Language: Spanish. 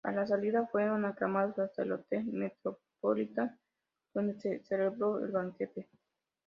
A la salida, fueron aclamados hasta el hotel Metropolitan donde se celebró el banquete.